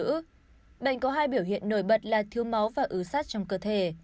thứ thứ bệnh có hai biểu hiện nổi bật là thiếu máu và ứ sát trong cơ thể